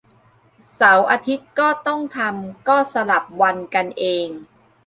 เสาร์อาทิตย์ก็ต้องทำ ก็สลับวันกันเอง